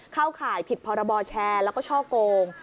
เข้าข่ายผิดพรบแชร์แล้วก็ช่อโกง